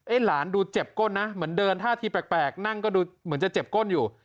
หลานดูเจ็บก้นนะเหมือนเดินท่าทีแปลกนั่งก็ดูเหมือนจะเจ็บก้นอยู่